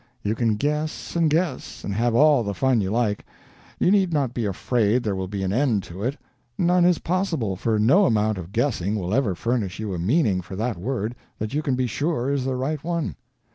You can guess and guess, and have all the fun you like; you need not be afraid there will be an end to it; none is possible, for no amount of guessing will ever furnish you a meaning for that word that you can be sure is the right one.